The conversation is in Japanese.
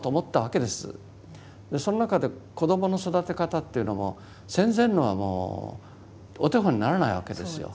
その中で子どもの育て方っていうのも戦前のはもうお手本にならないわけですよ。